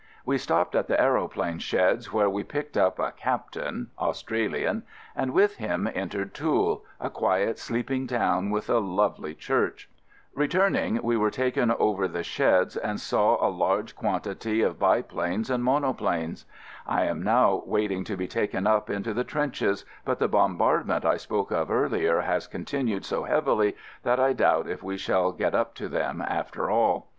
We stopped at the aeroplane sheds where we picked up a Captain (Australian) and with him entered Toul, a quiet sleeping town with a lovely church. Returning we were taken over 18 AMERICAN AMBULANCE the sheds and saw a large quantity of bi planes and monoplanes. I am now wait ing to be taken up into the trenches, but the bombardment I spoke of earlier has continued so heavily that I doubt if we shall get up to them after all.